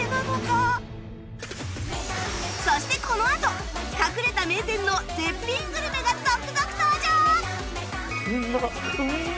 そしてこのあと隠れた名店の絶品グルメが続々登場！